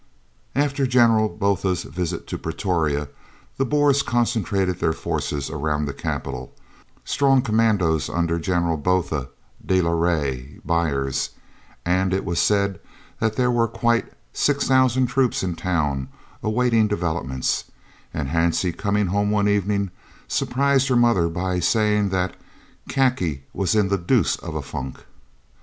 After General Botha's visit to Pretoria the Boers concentrated their forces around the capital, strong commandos under General Botha, de la Rey, Beyers, and Viljoen. It was said that there were quite 6,000 troops in town awaiting developments, and Hansie coming home one evening, surprised her mother by saying that "Khaki was in the deuce of a funk!"